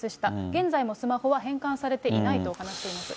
現在もスマホは返還されていないと話しています。